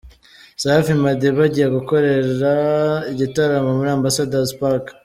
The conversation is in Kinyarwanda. Safi Madiba agiye gukorera igitaramo muri Ambassador's Park.